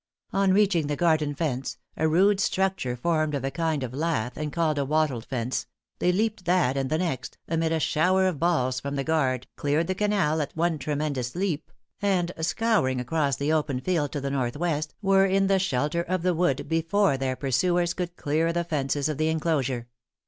On reaching the garden fence a rude structure formed of a kind of lath, and called a wattled fence they leaped that and the next, amid a shower of balls from the guard, cleared the canal at one tremendous leap, and scouring across the open field to the northwest, were in the shelter of the wood before their pursuers could clear the fences of the enclosure.